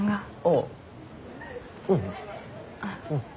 ああうん。